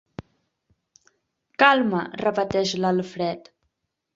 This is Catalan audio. Calma! —repeteix l'Alfred.